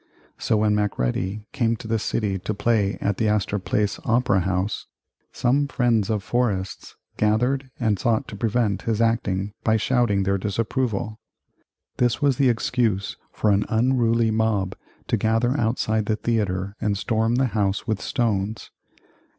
So when Macready came to the city to play at the Astor Place Opera House, some friends of Forrest's gathered and sought to prevent his acting by shouting their disapproval. This was the excuse for an unruly mob to gather outside the theatre and storm the house with stones.